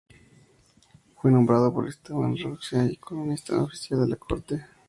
Fue nombrado por Esteban Bocskai cronista oficial de la Corte.